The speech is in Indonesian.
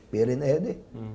biarkan aja deh